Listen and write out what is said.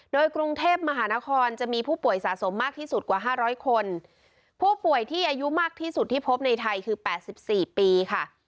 โดยกรุงเทพมหานครจะมีผู้ป่วยสะสมมากที่สุดกว่าห้าร้อยคนผู้ป่วยที่อายุมากที่สุดที่พบในไทยคือ๘๔ปีค่ะ